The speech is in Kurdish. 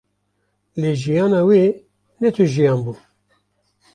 Lê jiyana wê ne tu jiyan bû